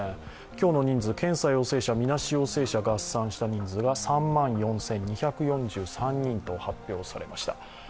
今日の人数、検査陽性者、みなし陽性者合算した人数が３万４２４３人と発表されました。